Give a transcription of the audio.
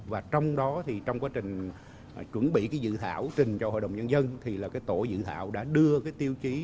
và trong đó thì trong quá trình chuẩn bị dự thảo trình cho hội đồng nhân dân thì tổ dự thảo đã đưa tiêu chí